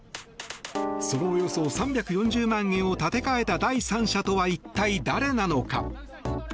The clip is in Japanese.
そのおよそ３４０万円を立て替えた第三者とは一体、誰なのか。